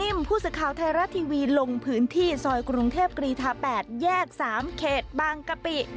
ผู้สื่อข่าวไทยรัฐทีวีลงพื้นที่ซอยกรุงเทพกรีธา๘แยก๓เขตบางกะปิ